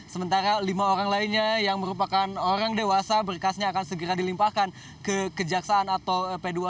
sementara lima orang lainnya yang merupakan orang dewasa berkasnya akan segera dilimpahkan ke kejaksaan atau p dua puluh